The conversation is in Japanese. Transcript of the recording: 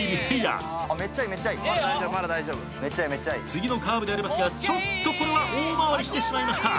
次のカーブでありますがちょっとこれは大回りしてしまいました。